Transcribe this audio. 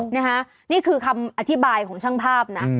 นี่คือคำอธิบายของช่างภาพนะ